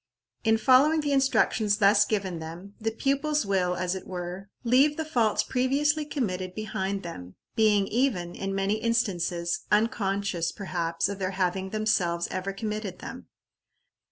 In following the instructions thus given them, the pupils will, as it were, leave the faults previously committed behind them, being even, in many instances, unconscious, perhaps, of their having themselves ever committed them.